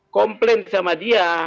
komplain sama dia